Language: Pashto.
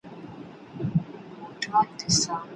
د روغتیا انسټیټیوټونه څه تدریس کوي؟